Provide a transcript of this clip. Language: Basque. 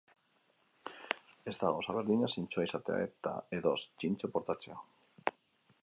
Ez da gauza berdina zintzoa izatea edo txintxo portatzea.